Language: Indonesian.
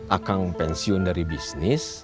akang pensiun dari bisnis